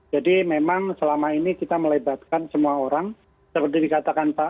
jadi memang selama ini kita melebatkan semua orang seperti dikatakan pak jainal